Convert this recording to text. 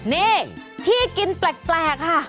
นี่ที่กินแปลกค่ะ